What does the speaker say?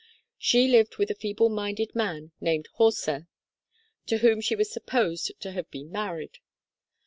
She lived with a feeble minded man named Horser, to whom she was supposed to have been married.